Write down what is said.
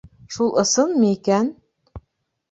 Шул ысынмы икән?